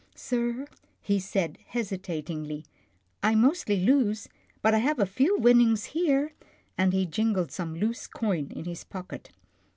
" Sir," he said hesitatingly, " I mostly lose, but I have a few winnings here," and he jingled some loose coin in his pocket.